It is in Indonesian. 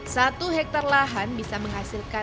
satu hektare lahan bisa menghasilkan satu tujuh sampai dua ton